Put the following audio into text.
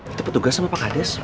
itu petugas sama pak kades